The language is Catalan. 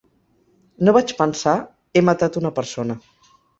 No vaig pensar: he matat una persona.